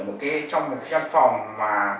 một cái trong một căn phòng mà